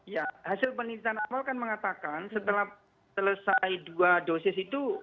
ya hasil penelitian awal kan mengatakan setelah selesai dua dosis itu